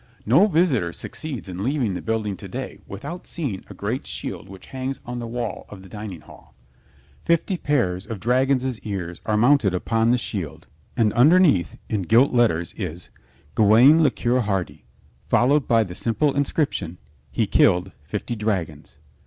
No visitor succeeds in leaving the building to day without seeing a great shield which hangs on the wall of the dining hall. Fifty pairs of dragons' ears are mounted upon the shield and underneath in gilt letters is "Gawaine le Coeur Hardy," followed by the simple inscription, "He killed fifty dragons."